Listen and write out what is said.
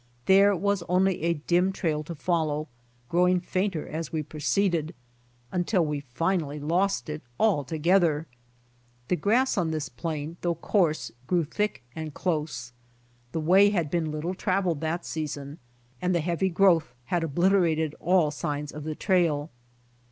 There was only a dim trail to follow, growing fainter as we proceeded, until we finally lost it altogether. The grass on this plain, though • coarse, grew thick and close. The way had been little traveled that season and the heavy growth had obliterated all signs of the trail.